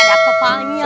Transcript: gak ada apa apanya